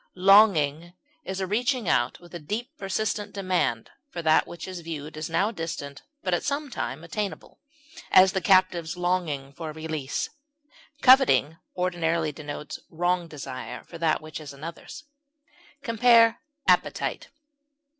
Longing is a reaching out with deep and persistent demand for that which is viewed as now distant but at some time attainable; as, the captive's longing for release. Coveting ordinarily denotes wrong desire for that which is another's. Compare APPETITE.